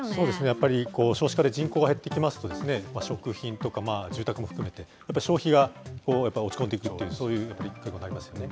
やっぱり、少子化で人口が減ってきますと、食品とか、住宅も含めて、やっぱり消費が落ち込んでいくという、そういうことになりますよね。